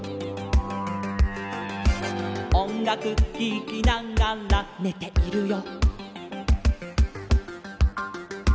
「おんがくききながらねているよ」